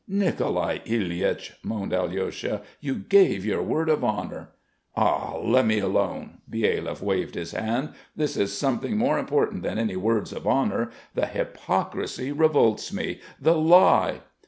"Nicolai Ilyich!" moaned Alyosha. "You gave your word of honour!" "Ah, let me alone!" Byelyaev waved his hand. "This is something more important than any words of honour. The hypocrisy revolts me, the lie!"